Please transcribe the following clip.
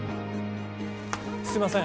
すいません